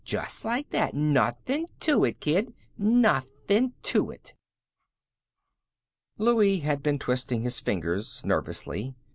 Just like that. Nothin' to it, kid. Nothin' to it." Louie had been twisting his fingers nervously.